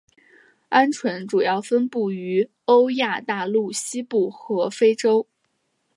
鹌鹑主要分布于欧亚大陆西部和非洲。